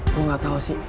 lu nggak tahu sih